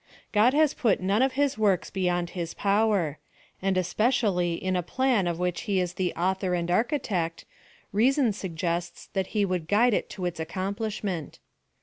God has put none of his works beyond his power ; and especially in a plan of which he is the author and architect, reason sug gests that he would guide it to its accomplishment.